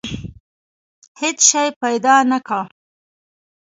هېڅ شی پیدا نه کړ.